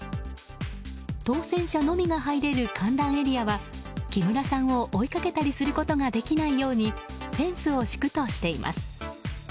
当選者のみが入れる観覧エリアは木村さんを追いかけたりすることができないようにフェンスを敷くとしています。